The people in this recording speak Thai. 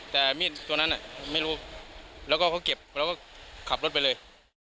แต่มีดตัวนั้นไม่รู้แล้วก็เขาเก็บแล้วก็ขับรถไปเลย